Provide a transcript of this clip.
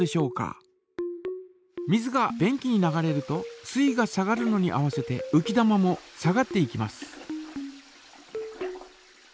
水が便器に流れると水位が下がるのに合わせてうき玉も下がっていきます。